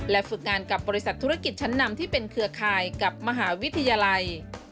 ฝึกงานกับบริษัทธุรกิจชั้นนำที่เป็นเครือข่ายกับมหาวิทยาลัย